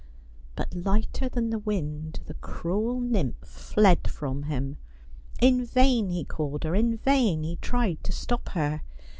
13ut lighter than the wind the cruel nymph fled from him. In vain he called her, in vain he tried to stop her.